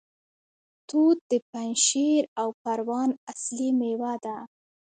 توت د پنجشیر او پروان اصلي میوه ده.